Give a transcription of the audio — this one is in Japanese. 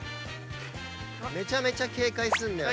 めちゃめちゃ警戒する。